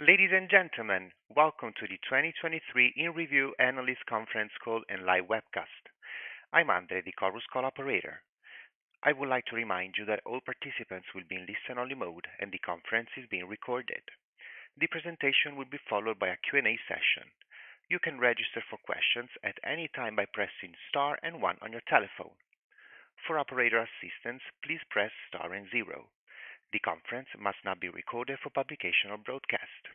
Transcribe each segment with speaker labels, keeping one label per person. Speaker 1: Ladies and gentlemen, welcome to the 2023 In-Review Analyst Conference Call and Live Webcast. I'm André, the Chorus Call operator. I would like to remind you that all participants will be in listen-only mode, and the conference is being recorded. The presentation will be followed by a Q&A session. You can register for questions at any time by pressing star and one on your telephone. For operator assistance, please press star and zero. The conference must not be recorded for publication or broadcast.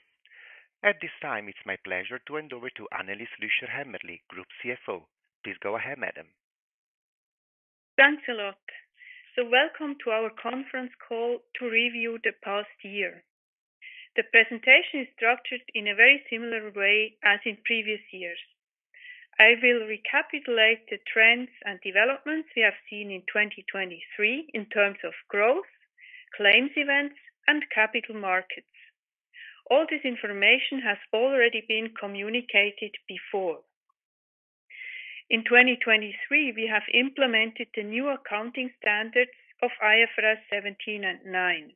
Speaker 1: At this time, it's my pleasure to hand over to Annelis Lüscher Hämmerli, Group CFO. Please go ahead, madam.
Speaker 2: Thanks a lot. Welcome to our conference call to review the past year. The presentation is structured in a very similar way as in previous years. I will recapitulate the trends and developments we have seen in 2023 in terms of growth, claims, events, and capital markets. All this information has already been communicated before. In 2023, we have implemented the new accounting standards of IFRS 17 and 9.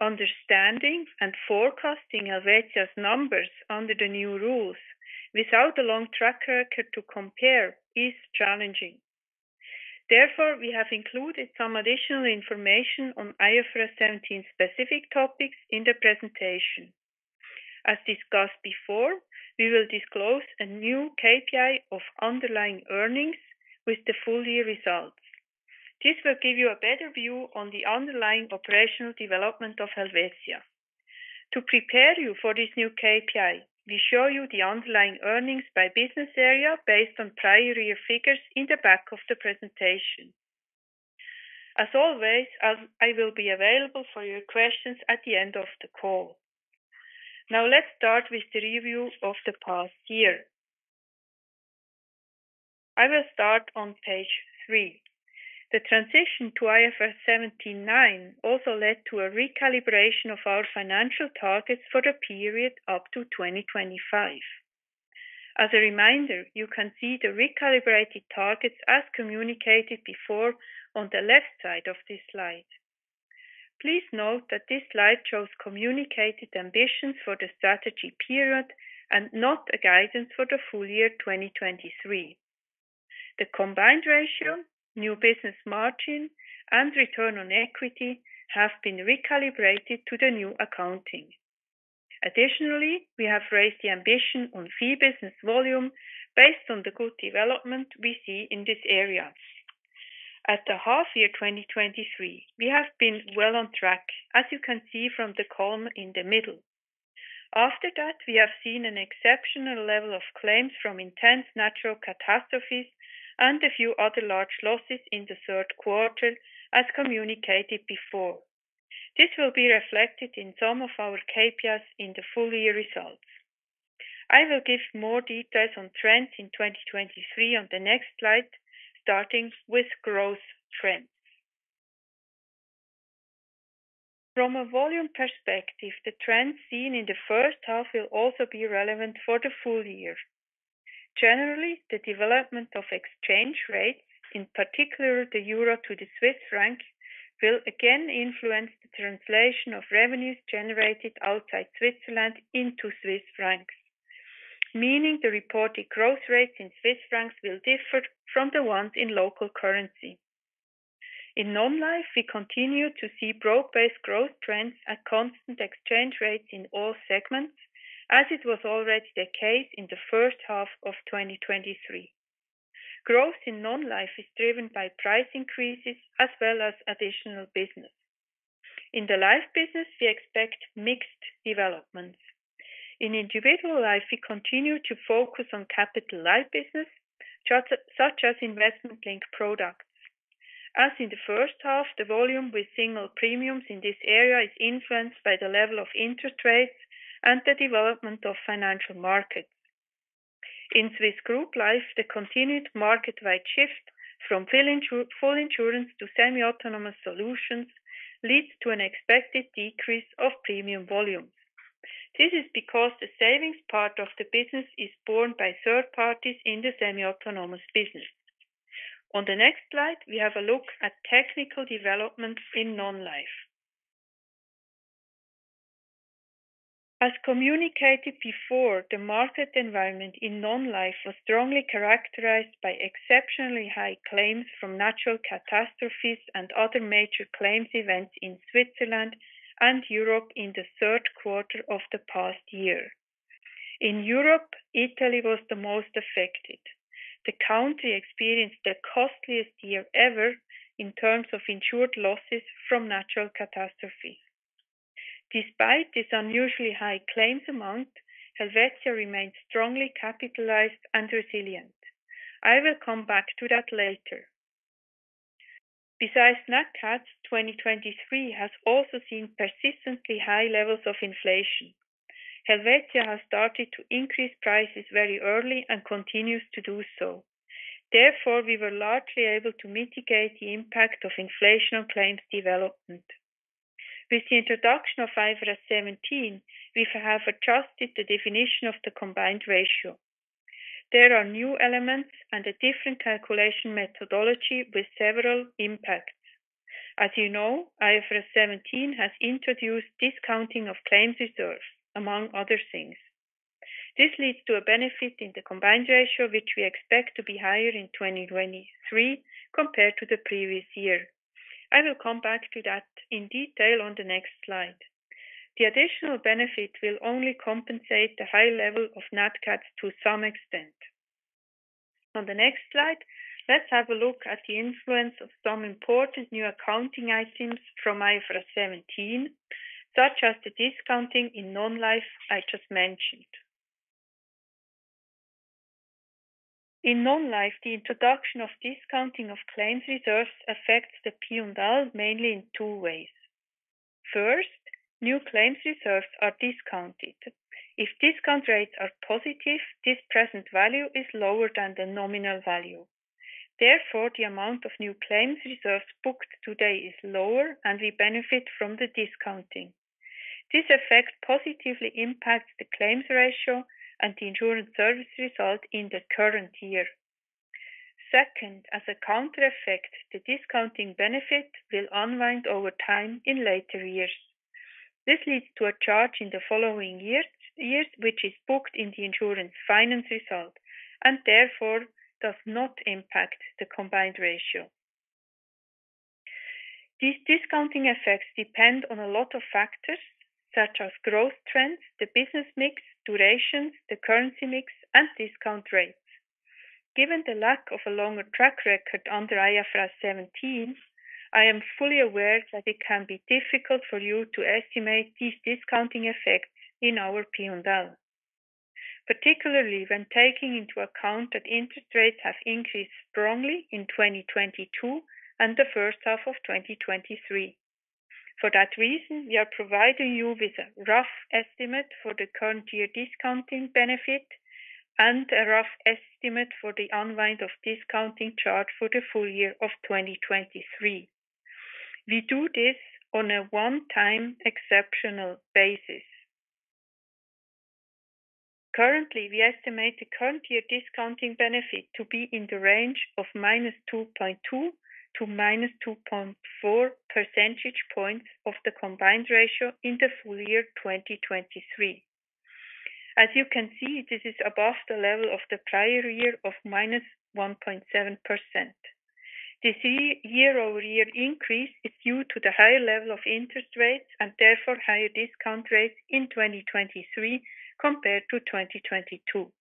Speaker 2: Understanding and forecasting Helvetia's numbers under the new rules, without a long track record to compare, is challenging. Therefore, we have included some additional information on IFRS 17 specific topics in the presentation. As discussed before, we will disclose a new KPI of underlying earnings with the full year results. This will give you a better view on the underlying operational development of Helvetia. To prepare you for this new KPI, we show you the underlying earnings by business area based on prior year figures in the back of the presentation. As always, I will be available for your questions at the end of the call. Now, let's start with the review of the past year. I will start on page three. The transition to IFRS 17, 9 also led to a recalibration of our financial targets for the period up to 2025. As a reminder, you can see the recalibrated targets as communicated before on the left side of this slide. Please note that this slide shows communicated ambitions for the strategy period and not a guidance for the full year 2023. The combined ratio, new business margin, and return on equity have been recalibrated to the new accounting. Additionally, we have raised the ambition on fee business volume based on the good development we see in these areas. At the half-year 2023, we have been well on track, as you can see from the column in the middle. After that, we have seen an exceptional level of claims from intense natural catastrophes and a few other large losses in the Q3, as communicated before. This will be reflected in some of our KPIs in the full year results. I will give more details on trends in 2023 on the next slide, starting with growth trends. From a volume perspective, the trends seen in the H1 will also be relevant for the full year. Generally, the development of exchange rates, in particular, the euro to the Swiss franc, will again influence the translation of revenues generated outside Switzerland into Swiss francs. Meaning, the reported growth rates in Swiss francs will differ from the ones in local currency. In non-life, we continue to see broad-based growth trends at constant exchange rates in all segments, as it was already the case in the H1 of 2023. Growth in non-life is driven by price increases as well as additional business. In the life business, we expect mixed developments. In individual life, we continue to focus on capital-light business, such as investment-linked products. As in the H1, the volume with single premiums in this area is influenced by the level of interest rates and the development of financial markets. In Swiss Group Life, the continued market-wide shift from full insurance to semi-autonomous solutions leads to an expected decrease of premium volume. This is because the savings part of the business is borne by third parties in the semi-autonomous business. On the next slide, we have a look at technical developments in non-life. As communicated before, the market environment in non-life was strongly characterized by exceptionally high claims from natural catastrophes and other major claims events in Switzerland and Europe in the Q3 of the past year. In Europe, Italy was the most affected. The country experienced the costliest year ever in terms of insured losses from natural catastrophes. Despite this unusually high claims amount, Helvetia remains strongly capitalized and resilient. I will come back to that later. Besides nat cats, 2023 has also seen persistently high levels of inflation. Helvetia has started to increase prices very early and continues to do so. Therefore, we were largely able to mitigate the impact of inflation on claims development. With the introduction of IFRS 17, we have adjusted the definition of the combined ratio. There are new elements and a different calculation methodology with several impacts. As you know, IFRS 17 has introduced discounting of claims reserves, among other things. This leads to a benefit in the combined ratio, which we expect to be higher in 2023 compared to the previous year. I will come back to that in detail on the next slide. The additional benefit will only compensate the high level of nat cats to some extent. On the next slide, let's have a look at the influence of some important new accounting items from IFRS 17, such as the discounting in non-life I just mentioned. In non-life, the introduction of discounting of claims reserves affects the P&L mainly in two ways. First, new claims reserves are discounted. If discount rates are positive, this present value is lower than the nominal value. Therefore, the amount of new claims reserves booked today is lower, and we benefit from the discounting. This effect positively impacts the claims ratio and the insurance service result in the current year. Second, as a counter effect, the discounting benefit will unwind over time in later years. This leads to a charge in the following years, which is booked in the insurance finance result, and therefore, does not impact the combined ratio. These discounting effects depend on a lot of factors, such as growth trends, the business mix, duration, the currency mix, and discount rates. Given the lack of a longer track record under IFRS 17, I am fully aware that it can be difficult for you to estimate these discounting effects in our P&L. Particularly when taking into account that interest rates have increased strongly in 2022 and the H1 of 2023. For that reason, we are providing you with a rough estimate for the current year discounting benefit and a rough estimate for the unwind of discounting charge for the full year of 2023. We do this on a one-time exceptional basis. Currently, we estimate the current year discounting benefit to be in the range of -2.2 to -2.4 percentage points of the combined ratio in the full year 2023. As you can see, this is above the level of the prior year of -1.7%. This year-over-year increase is due to the higher level of interest rates, and therefore higher discount rates in 2023 compared to 2022.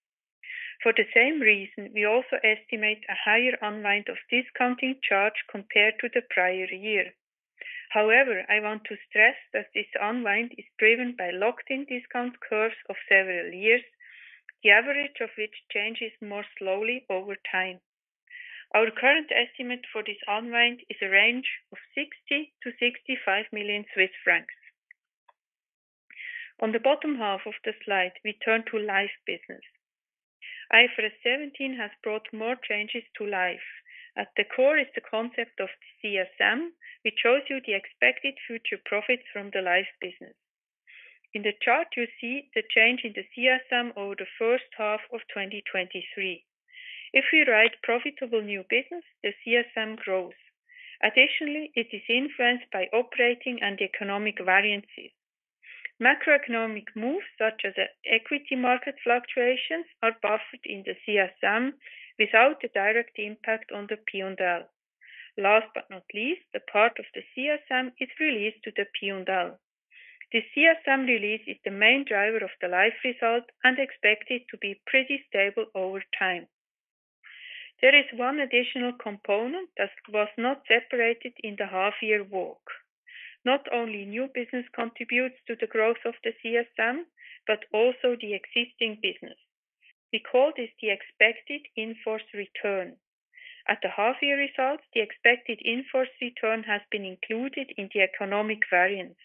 Speaker 2: For the same reason, we also estimate a higher unwind of discounting charge compared to the prior year. However, I want to stress that this unwind is driven by locked-in discount curves of several years, the average of which changes more slowly over time. Our current estimate for this unwind is a range of 60 to 65 million. On the bottom half of the slide, we turn to life business. IFRS 17 has brought more changes to life. At the core is the concept of CSM, which shows you the expected future profits from the life business. In the chart, you see the change in the CSM over the H1 of 2023. If we write profitable new business, the CSM grows. Additionally, it is influenced by operating and economic variances. Macroeconomic moves, such as the equity market fluctuations, are buffered in the CSM without a direct impact on the P&L. Last but not least, a part of the CSM is released to the P&L. The CSM release is the main driver of the life result and expected to be pretty stable over time. There is one additional component that was not separated in the half-year work. Not only new business contributes to the growth of the CSM, but also the existing business. We call this the expected in-force return. At the half-year results, the expected in-force return has been included in the economic variance.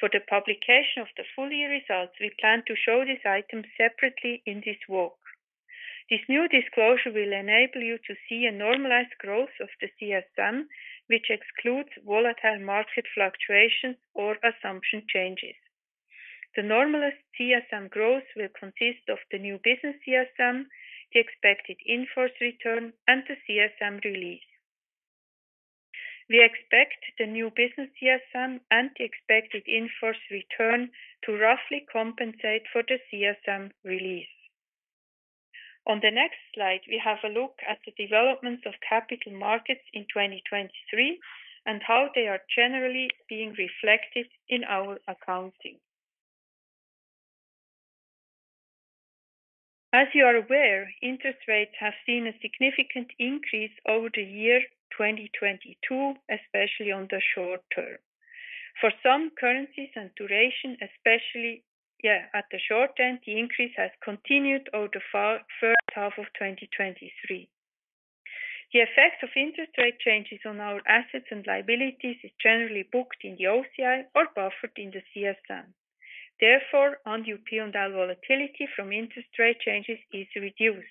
Speaker 2: For the publication of the full-year results, we plan to show this item separately in this work. This new disclosure will enable you to see a normalized growth of the CSM, which excludes volatile market fluctuations or assumption changes. The normalized CSM growth will consist of the new business CSM, the expected in-force return, and the CSM release. We expect the new business CSM and the expected in-force return to roughly compensate for the CSM release. On the next slide, we have a look at the development of capital markets in 2023 and how they are generally being reflected in our accounting. As you are aware, interest rates have seen a significant increase over the year 2022, especially on the short term. For some currencies and duration, especially at the short end, the increase has continued over the H1 of 2023. The effect of interest rate changes on our assets and liabilities is generally booked in the OCI or buffered in the CSM. Therefore, on the P&L volatility from interest rate changes is reduced.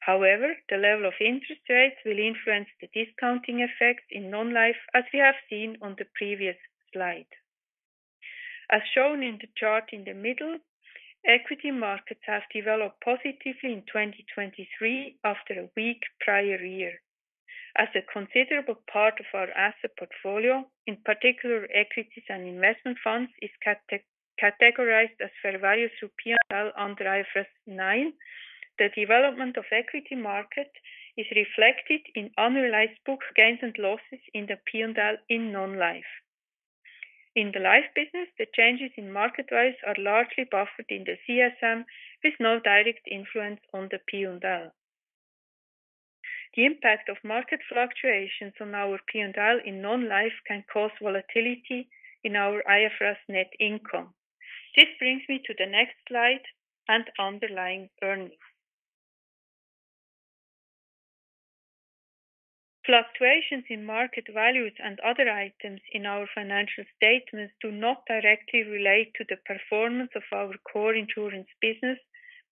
Speaker 2: However, the level of interest rates will influence the discounting effect in non-life, as we have seen on the previous slide. As shown in the chart in the middle, equity markets have developed positively in 2023 after a weak prior year. As a considerable part of our asset portfolio, in particular, equities and investment funds, is categorized as fair value through P&L under IFRS 9, the development of equity market is reflected in unrealized book gains and losses in the P&L in non-life. In the life business, the changes in market values are largely buffered in the CSM, with no direct influence on the P&L. The impact of market fluctuations on our P&L in non-life can cause volatility in our IFRS net income. This brings me to the next slide and underlying earnings. Fluctuations in market values and other items in our financial statements do not directly relate to the performance of our core insurance business,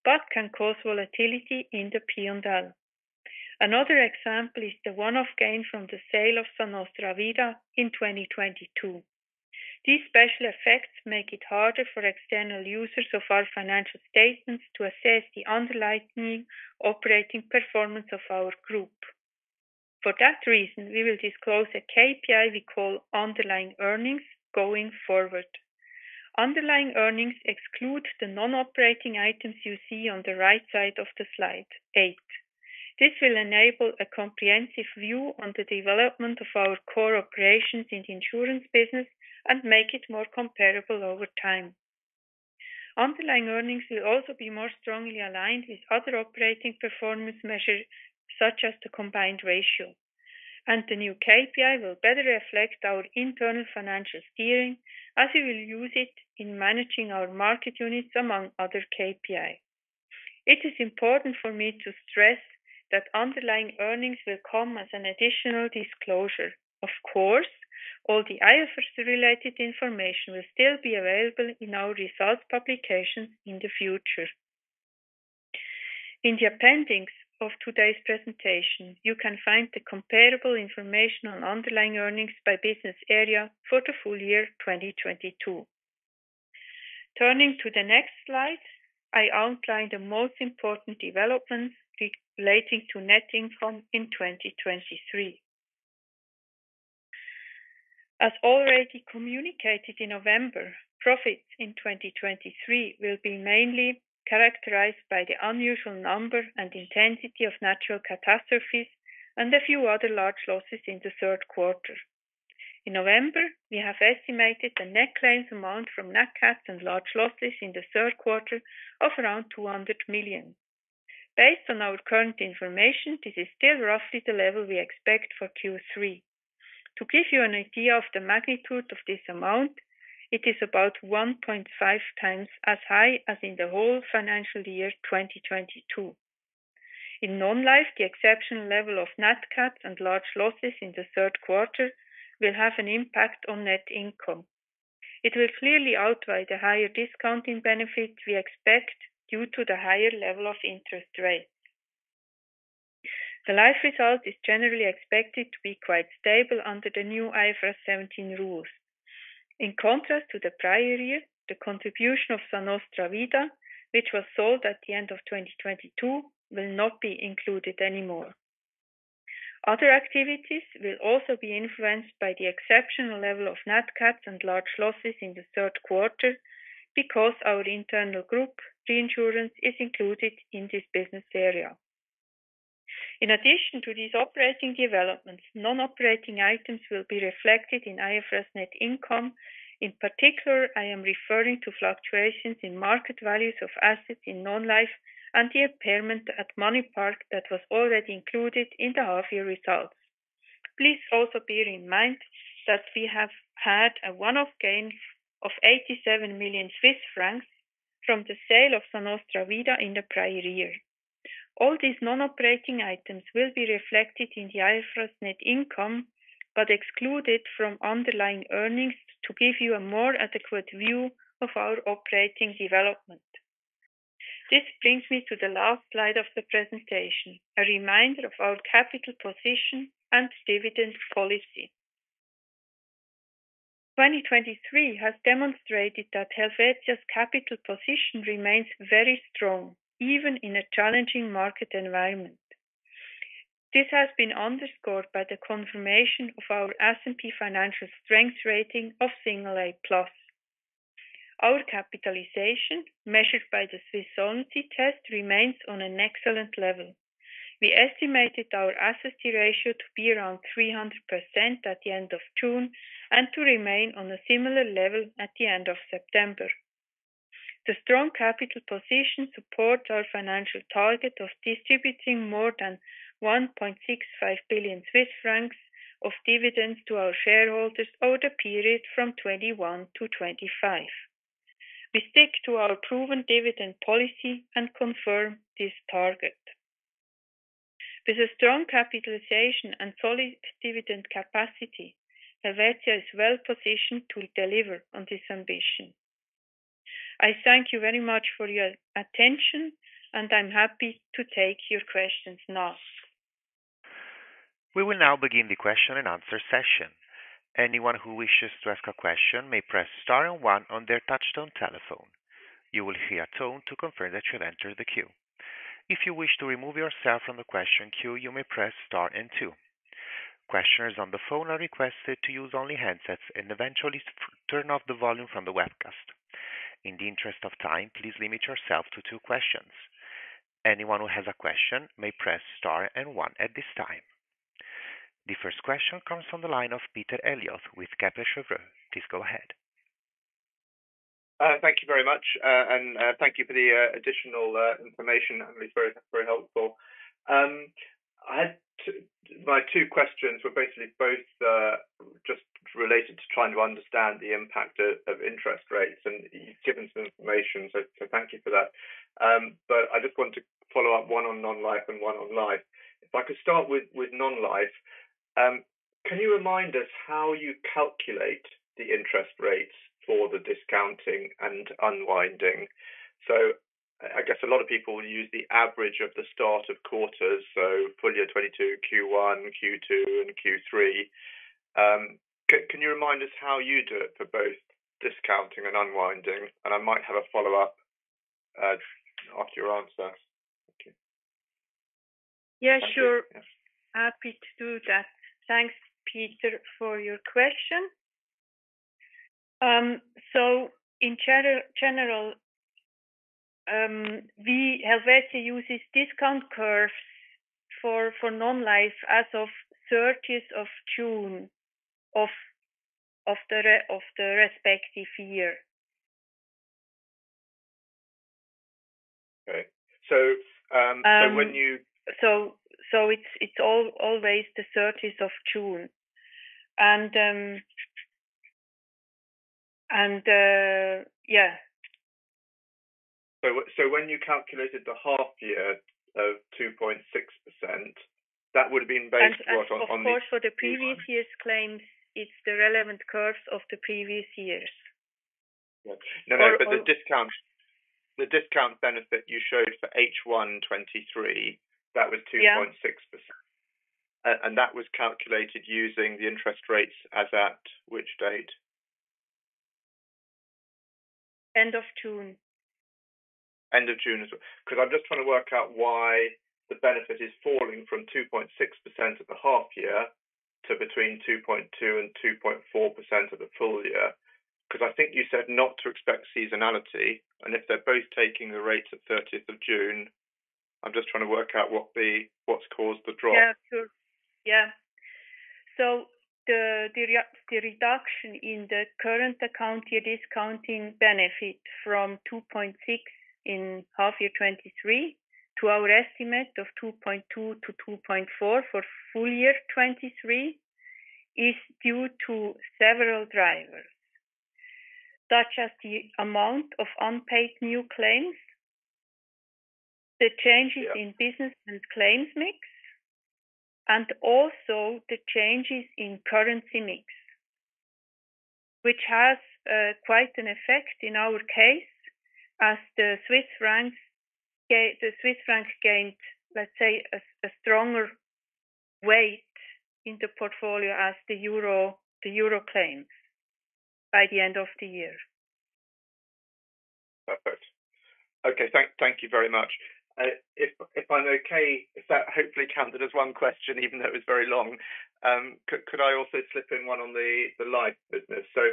Speaker 2: but can cause volatility in the P&L. Another example is the one-off gain from the sale of Sa Nostra Vida in 2022. These special effects make it harder for external users of our financial statements to assess the underlying operating performance of our group. For that reason, we will disclose a KPI we call Underlying Earnings going forward. Underlying earnings exclude the non-operating items you see on the right side of the slide 8. This will enable a comprehensive view on the development of our core operations in the insurance business and make it more comparable over time. Underlying earnings will also be more strongly aligned with other operating performance measures, such as the combined ratio, and the new KPI will better reflect our internal financial steering as we will use it in managing our market units, among other KPI. It is important for me to stress that underlying earnings will come as an additional disclosure. Of course, all the IFRS-related information will still be available in our results publication in the future. In the appendix of today's presentation, you can find the comparable information on underlying earnings by business area for the full year 2022. Turning to the next slide, I outline the most important developments relating to net income in 2023. As already communicated in November, profits in 2023 will be mainly characterized by the unusual number and intensity of natural catastrophes and a few other large losses in the Q3. In November, we have estimated the net claims amount from nat cat and large losses in the Q3 of around 200 million. Based on our current information, this is still roughly the level we expect for Q3. To give you an idea of the magnitude of this amount, it is about 1.5x as high as in the whole financial year 2022. In non-life, the exceptional level of nat cats and large losses in the Q3 will have an impact on net income. It will clearly outweigh the higher discounting benefits we expect due to the higher level of interest rates. The life result is generally expected to be quite stable under the new IFRS 17 rules. In contrast to the prior year, the contribution of Sa Nostra Vida, which was sold at the end of 2022, will not be included anymore. Other activities will also be influenced by the exceptional level of nat cats and large losses in the Q3 because our internal group reinsurance is included in this business area. In addition to these operating developments, non-operating items will be reflected in IFRS net income. In particular, I am referring to fluctuations in market values of assets in non-life and the impairment at MoneyPark that was already included in the half-year results. Please also bear in mind that we have had a one-off gain of 87 million Swiss francs from the sale of Sa Nostra Vida in the prior year. All these non-operating items will be reflected in the IFRS net income, but excluded from underlying earnings to give you a more adequate view of our operating development. This brings me to the last slide of the presentation, a reminder of our capital position and dividend policy. 2023 has demonstrated that Helvetia's capital position remains very strong, even in a challenging market environment. This has been underscored by the confirmation of our S&P financial strength rating of A+. Our capitalization, measured by the Swiss Solvency Test, remains on an excellent level. We estimated our SST ratio to be around 300% at the end of June and to remain on a similar level at the end of September. The strong capital position supports our financial target of distributing more than 1.65 billion Swiss francs of dividends to our shareholders over the period from 2021 to 2025. We stick to our proven dividend policy and confirm this target. With a strong capitalization and solid dividend capacity, Helvetia is well positioned to deliver on this ambition. I thank you very much for your attention, and I'm happy to take your questions now.
Speaker 1: We will now begin the Q&A session. Anyone who wishes to ask a question may press star and one on their touchtone telephone. You will hear a tone to confirm that you have entered the queue. If you wish to remove yourself from the question queue, you may press star and two. Questioners on the phone are requested to use only handsets and eventually, turn off the volume from the webcast. In the interest of time, please limit yourself to two questions. Anyone who has a question may press star and one at this time. The first question comes from the line of Peter Eliot with Kepler Cheuvreux. Please go ahead.
Speaker 3: Thank you very much. And thank you for the additional information, Annelis. It's very, very helpful. I had my two questions were basically both just related to trying to understand the impact of interest rates, and you've given some information, so thank you for that. But I just want to follow up, one on non-life and one on life. If I could start with non-life, can you remind us how you calculate the interest rates for the discounting and unwinding? So I guess a lot of people use the average of the start of quarters, so full year 2022, Q1, Q2, and Q3. Can you remind us how you do it for both discounting and unwinding? And I might have a follow-up after your answer. Thank you.
Speaker 2: Yeah, sure. Happy to do that. Thanks, Peter, for your question. So in general, we, Helvetia, uses discount curves for non-life as of 30th of June of the respective year.
Speaker 3: Okay. So when you-
Speaker 2: So, it's always the 30th of June. And, yeah.
Speaker 3: So when you calculated the half year of 2.6%, that would have been based what? On the-
Speaker 2: Of course, for the previous year's claims, it's the relevant curves of the previous years.
Speaker 3: Yeah. No, no, but the discount, the discount benefit you showed for H1 2023, that was 2.6%.
Speaker 2: Yeah.
Speaker 3: that was calculated using the interest rates as at which date?
Speaker 2: End of June.
Speaker 3: End of June. 'Cause I'm just trying to work out why the benefit is falling from 2.6% at the half year to between 2.2% and 2.4% of the full year. 'Cause I think you said not to expect seasonality, and if they're both taking the rates of 30th of June, I'm just trying to work out what's caused the drop.
Speaker 2: Yeah, sure. Yeah. So the reduction in the current account year discounting benefit from 2.6 in half year 2023, to our estimate of 2.2-2.4 for full year 2023, is due to several drivers, such as the amount of unpaid new claims, the changes-
Speaker 3: Yeah...
Speaker 2: in business and claims mix, and also the changes in currency mix, which has quite an effect in our case, as the Swiss franc gained, let's say, a stronger weight in the portfolio as the euro claims by the end of the year.
Speaker 3: Perfect. Okay, thank you very much. If that hopefully counted as one question, even though it was very long, could I also slip in one on the life business? So,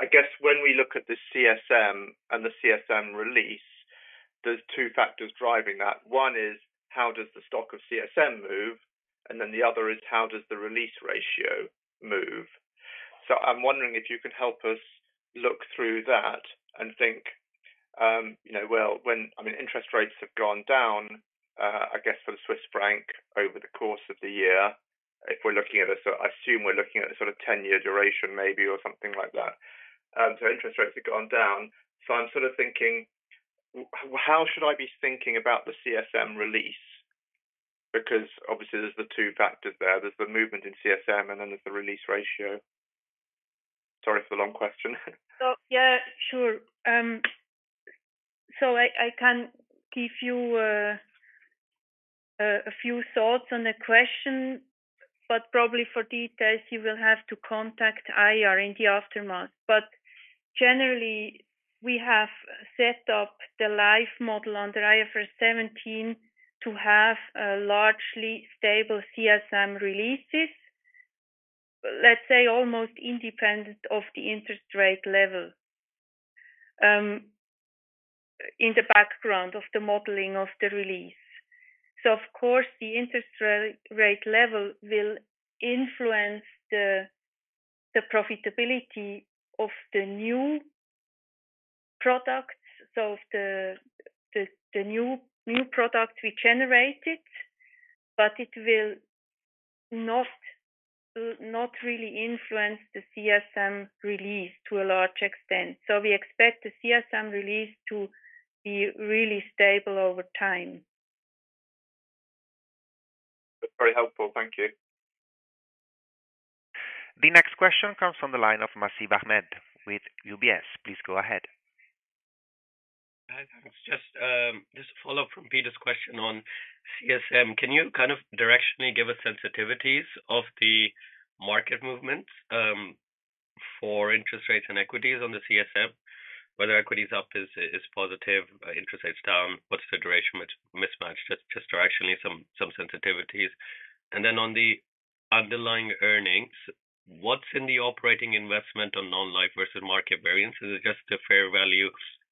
Speaker 3: I guess when we look at the CSM and the CSM release, there's two factors driving that. One is, how does the stock of CSM move? And then the other is, how does the release ratio move? So I'm wondering if you could help us look through that and think, you know, well, when—I mean, interest rates have gone down, I guess for the Swiss franc over the course of the year, if we're looking at a sort—I assume we're looking at a sort of 10-year duration, maybe, or something like that. So interest rates have gone down. So I'm sort of thinking, how should I be thinking about the CSM release? Because obviously, there's the two factors there. There's the movement in CSM, and then there's the release ratio. Sorry for the long question.
Speaker 2: So, yeah, sure. So I can give you a few thoughts on the question, but probably for details, you will have to contact IR in the aftermath. But generally, we have set up the life model under IFRS 17 to have a largely stable CSM releases, let's say, almost independent of the interest rate level in the background of the modeling of the release. So of course, the interest rate level will influence the profitability of the new products, so the new products we generated, but it will not really influence the CSM release to a large extent. So we expect the CSM release to be really stable over time.
Speaker 3: That's very helpful. Thank you....
Speaker 1: The next question comes from the line of Nasib Ahmed with UBS. Please go ahead.
Speaker 4: Hi, it's just a follow-up from Peter's question on CSM. Can you kind of directionally give us sensitivities of the market movements for interest rates and equities on the CSM? Whether equities up is positive, interest rates down, what's the duration mismatch? Just directionally some sensitivities. And then on the underlying earnings, what's in the operating investment on non-life versus market variance? Is it just the fair value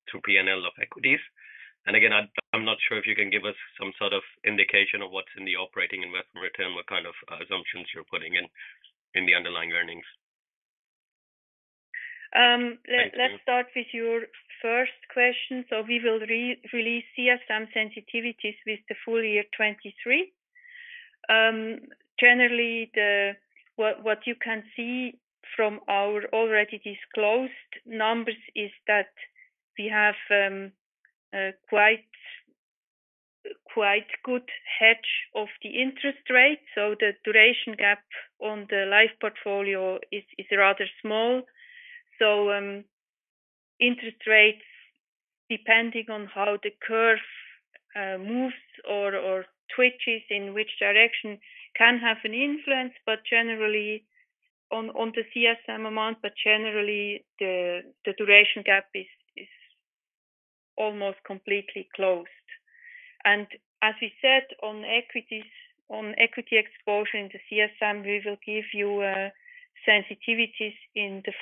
Speaker 4: to P&L of equities? And again, I'm not sure if you can give us some sort of indication of what's in the operating investment return, what kind of assumptions you're putting in, in the underlying earnings.
Speaker 2: Um-
Speaker 4: Thank you.
Speaker 2: Let's start with your first question. So we will re-release CSM sensitivities with the full year 2023. Generally, what you can see from our already disclosed numbers is that we have quite good hedge of the interest rate, so the duration gap on the life portfolio is rather small. So, interest rates, depending on how the curve moves or twitches in which direction, can have an influence, but generally on the CSM amount, but generally, the duration gap is almost completely closed. And as we said, on equity exposure in the CSM, we will give you sensitivities in the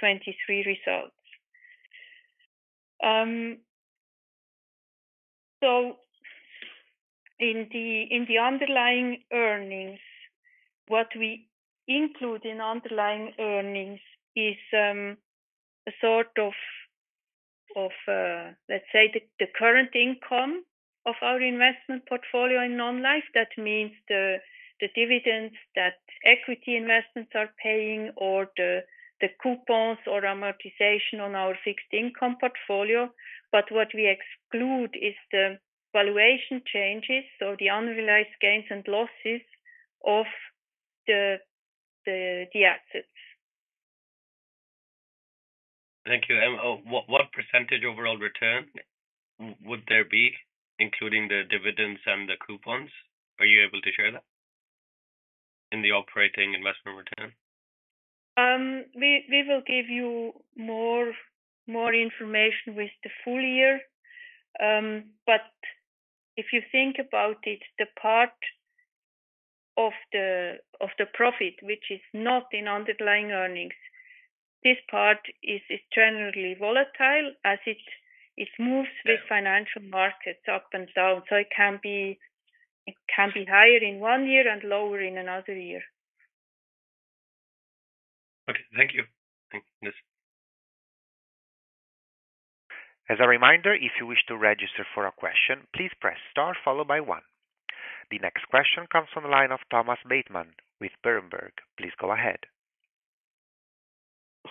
Speaker 2: full year 2023 results. So in the underlying earnings, what we include in underlying earnings is a sort of let's say the current income of our investment portfolio in non-life. That means the dividends that equity investments are paying or the coupons or amortization on our fixed income portfolio. But what we exclude is the valuation changes or the unrealized gains and losses of the assets.
Speaker 4: Thank you. What percentage overall return would there be, including the dividends and the coupons? Are you able to share that in the operating investment return?
Speaker 2: We will give you more information with the full year. But if you think about it, the part of the profit, which is not in Underlying Earnings, this part is generally volatile as it moves-
Speaker 4: Yeah
Speaker 2: with financial markets up and down. So it can be, it can be higher in one year and lower in another year.
Speaker 4: Okay, thank you. Thank you.
Speaker 1: As a reminder, if you wish to register for a question, please press star followed by one. The next question comes from the line of Thomas Bateman with Berenberg. Please go ahead.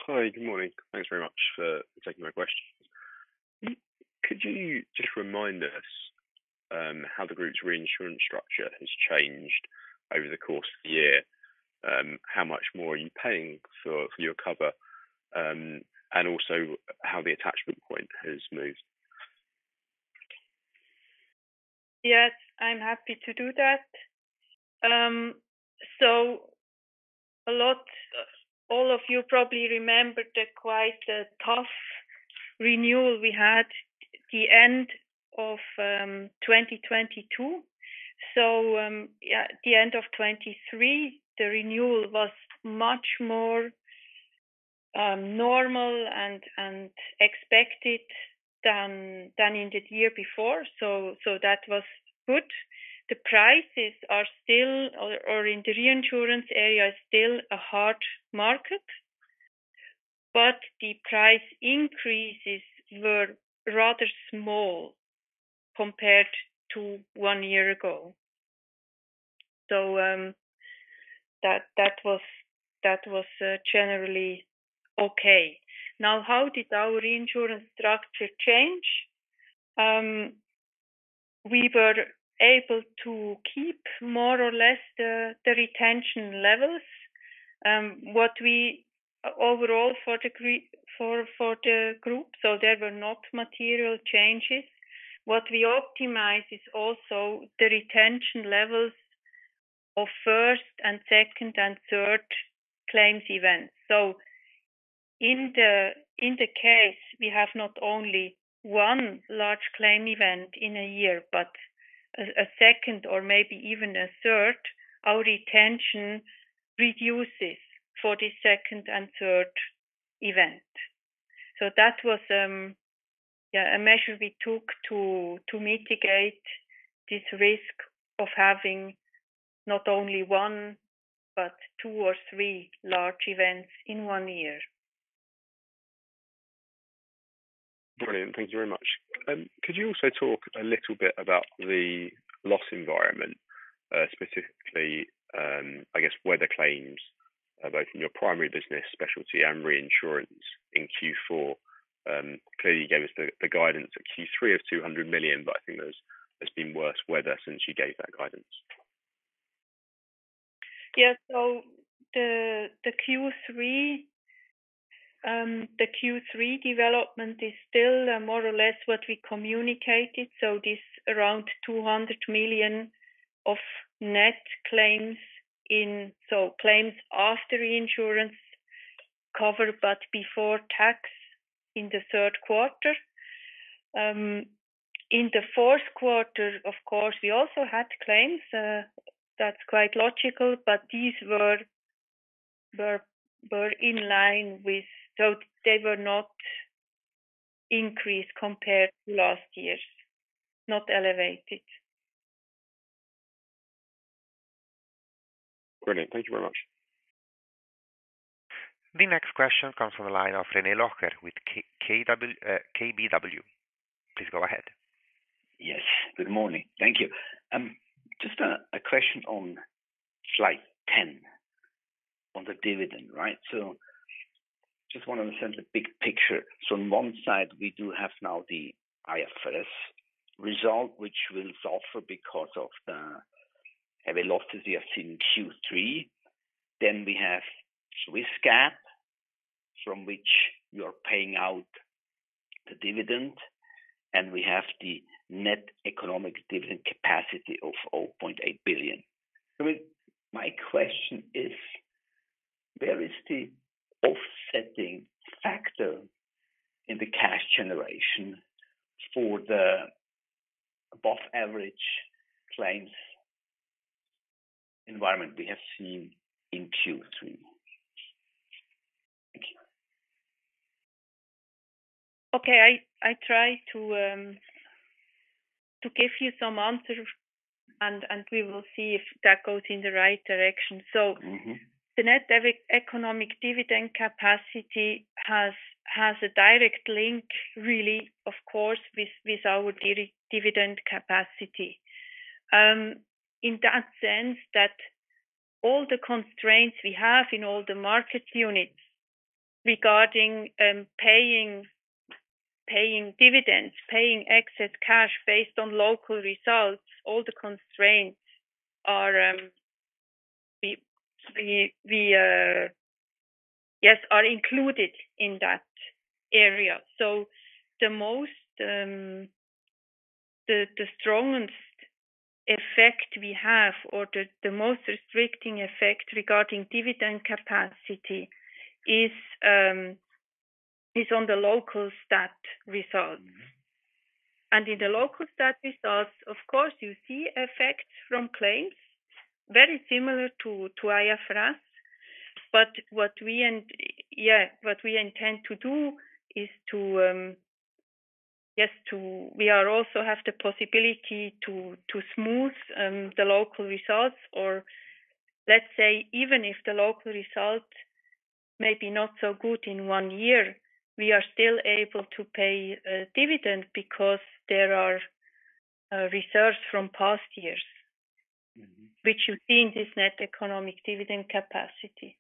Speaker 5: Hi, good morning. Thanks very much for taking my questions. Could you just remind us how the group's reinsurance structure has changed over the course of the year? How much more are you paying for your cover, and also how the attachment point has moved?
Speaker 2: Yes, I'm happy to do that. All of you probably remembered the quite tough renewal we had at the end of 2022. So, yeah, at the end of 2023, the renewal was much more normal and expected than in the year before, so that was good. The prices are still, or in the reinsurance area, are still a hard market, but the price increases were rather small compared to one year ago. So, that was generally okay. Now, how did our reinsurance structure change? We were able to keep more or less the retention levels. What we overall for the group, so there were not material changes. What we optimized is also the retention levels of first and second and third claims events. So in the case we have not only one large claim event in a year, but a second or maybe even a third, our retention reduces for the second and third event. So that was a measure we took to mitigate this risk of having not only one, but two or three large events in one year.
Speaker 5: Brilliant. Thank you very much. Could you also talk a little bit about the loss environment, specifically, I guess, where the claims, both in your primary business, specialty, and reinsurance in Q4?... clearly you gave us the, the guidance at Q3 of 200 million, but I think there's, there's been worse weather since you gave that guidance.
Speaker 2: Yeah. So the Q3 development is still more or less what we communicated. So this around 200 million of net claims in—so claims after insurance cover, but before tax in the Q3. In the Q4, of course, we also had claims, that's quite logical, but these were in line with—so they were not increased compared to last year's, not elevated.
Speaker 5: Great. Thank you very much.
Speaker 1: The next question comes from the line of René Locher with KBW. Please go ahead. Yes, good morning. Thank you. Just a question on slide 10, on the dividend, right? So just want to understand the big picture. So on one side, we do have now the IFRS result, which will suffer because of the heavy losses we have seen in Q3. Then we have Swiss GAAP, from which you're paying out the dividend, and we have the net economic dividend capacity of 0.8 billion. So my question is: where is the offsetting factor in the cash generation for the above average claims environment we have seen in Q3? Thank you.
Speaker 2: Okay. I try to give you some answer, and we will see if that goes in the right direction. Mm-hmm. So the net economic dividend capacity has a direct link, really, of course, with our dividend capacity. In that sense, that all the constraints we have in all the market units regarding paying dividends, paying excess cash based on local results, all the constraints are included in that area. So the strongest effect we have or the most restricting effect regarding dividend capacity is on the local stat results. Mm-hmm. And in the local stat results, of course, you see effects from claims very similar to IFRS. But yeah, what we intend to do is to, we are also have the possibility to smooth the local results. Or, let's say, even if the local result may be not so good in one year, we are still able to pay dividend because there are reserves from past years- Mm-hmm. -which you see in this net economic dividend capacity.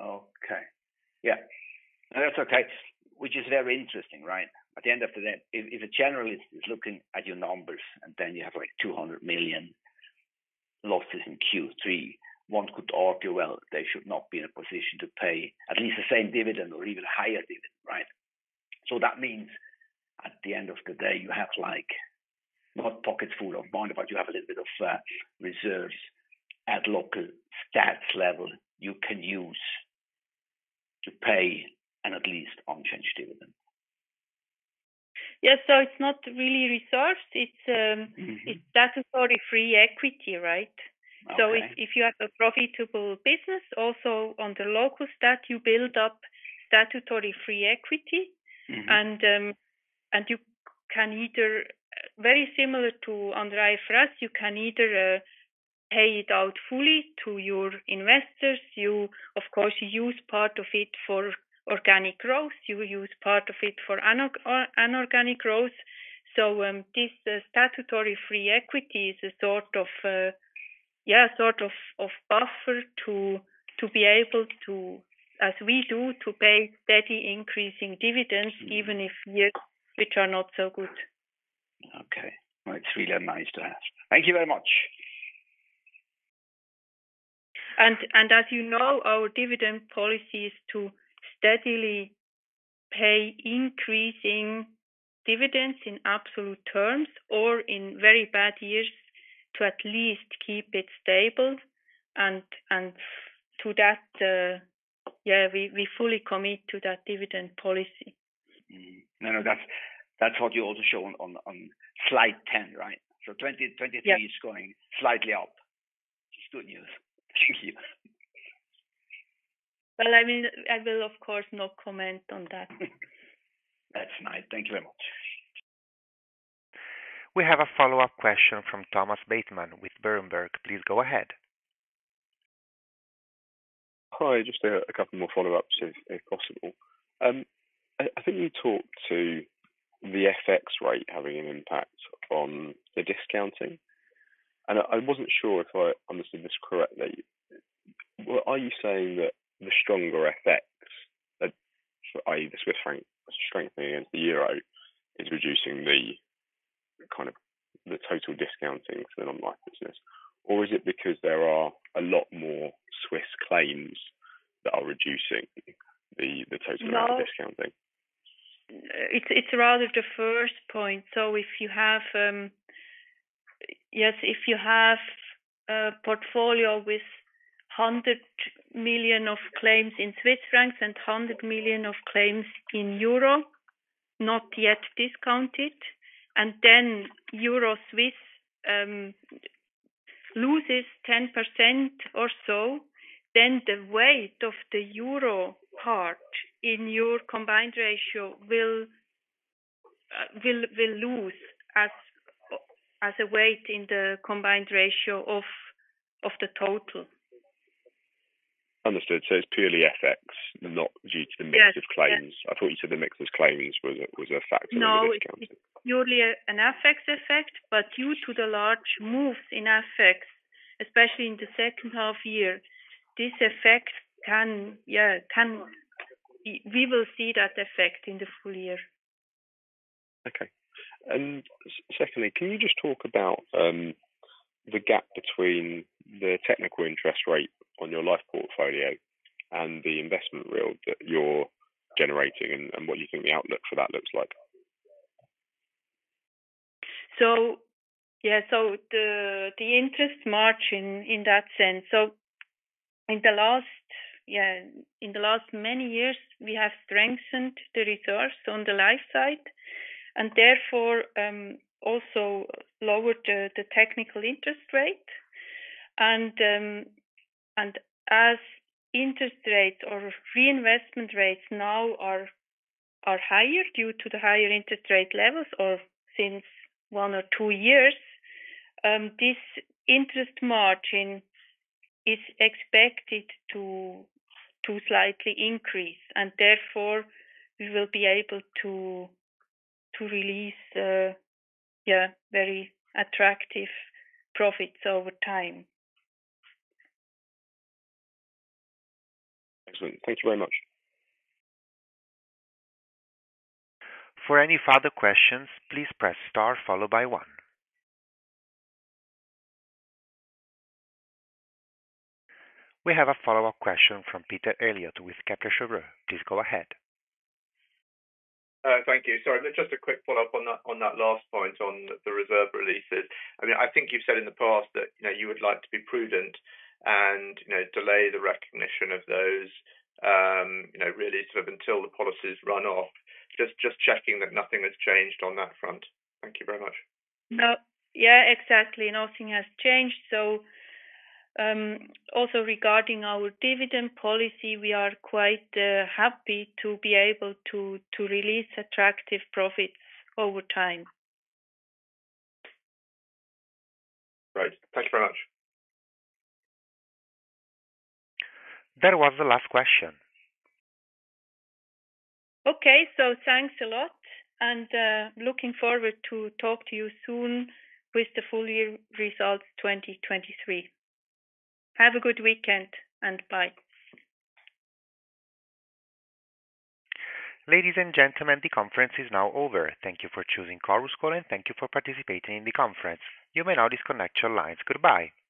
Speaker 2: Okay. Yeah. That's okay. Which is very interesting, right? At the end of the day, if a generalist is looking at your numbers, and then you have, like, 200 million losses in Q3, one could argue, well, they should not be in a position to pay at least the same dividend or even higher dividend, right? So that means, at the end of the day, you have, like, not pockets full of money, but you have a little bit of reserves at local stats level you can use to pay an at least unchanged dividend. Yes. So it's not really reserves. It's- Mm-hmm. It's statutory free equity, right? Okay. So if you have a profitable business, also on the local stat, you build up statutory free equity. Mm-hmm. You can either, very similar to under IFRS, you can either pay it out fully to your investors. You, of course, you use part of it for organic growth. You use part of it for inorganic growth. So, this statutory free equity is a sort of, yeah, sort of a buffer to be able to, as we do, to pay steady increasing dividends. Mm-hmm. —even if years which are not so good. Okay. Well, it's really nice to ask. Thank you very much. As you know, our dividend policy is to steadily pay increasing dividends in absolute terms or in very bad years, to at least keep it stable, and to that, we fully commit to that dividend policy. Mm-hmm. No, no, that's, that's what you also show on, on, on slide 10, right? So 2023- Yeah. is going slightly up. It's good news. Thank you. Well, I mean, I will, of course, not comment on that. That's nice. Thank you very much.
Speaker 1: We have a follow-up question from Thomas Bateman with Berenberg. Please go ahead.
Speaker 5: Hi, just a couple more follow-ups if possible. I think you talked to the FX rate having an impact on the discounting? And I wasn't sure if I understood this correctly. Well, are you saying that the stronger effects, that i.e., the Swiss franc strengthening against the euro, is reducing the kind of the total discounting for the non-life business? Or is it because there are a lot more Swiss claims that are reducing the total amount of discounting?
Speaker 2: No. It's rather the first point. So if you have, yes, if you have a portfolio with 100 million of claims in Swiss francs and 100 million of claims in euro, not yet discounted, and then euro Swiss loses 10% or so, then the weight of the euro part in your Combined Ratio will lose as a weight in the Combined Ratio of the total.
Speaker 5: Understood. So it's purely FX, not due to the mix-
Speaker 2: Yes
Speaker 5: of claims. I thought you said the mix of claims was a factor in the discounting.
Speaker 2: No, it's purely an FX effect, but due to the large moves in FX, especially in the H2 year, this effect can—yeah, we will see that effect in the full year.
Speaker 5: Okay. And secondly, can you just talk about the gap between the technical interest rate on your life portfolio and the investment yield that you're generating, and what you think the outlook for that looks like?
Speaker 2: So, yeah, the interest margin in that sense. So in the last many years, we have strengthened the reserves on the life side, and therefore also lowered the technical interest rate. And as interest rate or reinvestment rates now are higher due to the higher interest rate levels or since one or two years, this interest margin is expected to slightly increase, and therefore we will be able to release very attractive profits over time.
Speaker 5: Excellent. Thank you very much.
Speaker 1: For any further questions, please press star followed by one. We have a follow-up question from Peter Eliot with Kepler Cheuvreux. Please go ahead.
Speaker 3: Thank you. Sorry, just a quick follow-up on that, on that last point on the reserve releases. I mean, I think you've said in the past that, you know, you would like to be prudent and, you know, delay the recognition of those, you know, really sort of until the policies run off. Just, just checking that nothing has changed on that front. Thank you very much.
Speaker 2: No. Yeah, exactly. Nothing has changed. So, also regarding our dividend policy, we are quite happy to be able to release attractive profits over time.
Speaker 3: Great. Thank you very much.
Speaker 1: That was the last question.
Speaker 2: Okay. So thanks a lot, and looking forward to talk to you soon with the full year results, 2023. Have a good weekend, and bye.
Speaker 1: Ladies and gentlemen, the conference is now over. Thank you for choosing Chorus Call, and thank you for participating in the conference. You may now disconnect your lines. Goodbye.